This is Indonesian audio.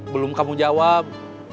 belum kamu jawab